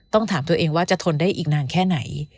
ถามตัวเองว่าจะทนได้อีกนานแค่ไหน